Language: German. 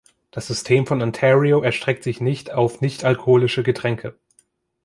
Das System von Ontario erstreckt sich nicht auf nichtalkoholische Getränke.